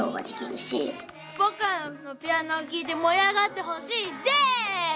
僕らのピアノを聴いて盛り上がってほしいです！